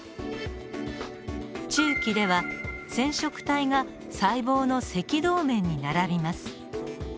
中期では染色体が細胞の赤道面に並びます。